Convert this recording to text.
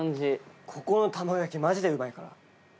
・ここの卵焼きマジでうまいから。